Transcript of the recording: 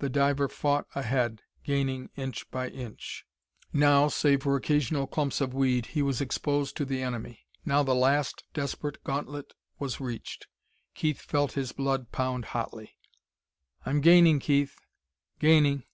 The diver fought ahead, gaining inch by inch. Now, save for occasional clumps of weed, he was exposed to the enemy.... Now the last desperate gauntlet was reached.... Keith felt his blood pound hotly. "I'm gaining, Keith. Gaining...."